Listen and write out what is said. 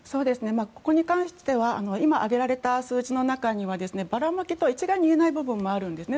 ここに関しては今挙げられた数字の中にはばらまきとは一概に言えない部分もあるんですね。